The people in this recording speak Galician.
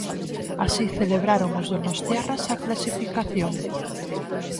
Así celebraron os donostiarras a clasificación.